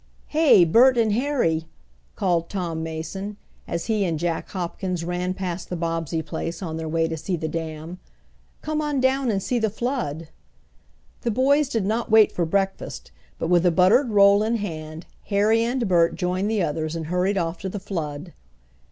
"Hey, Bert and Harry!" called Tom Mason, as he and Jack Hopkins ran past the Bobbsey place on their way to see the dam. "Come on down and see the flood." The boys did not wait for breakfast, but with a buttered roll in hand Harry and Bert joined the others and hurried off to the flood.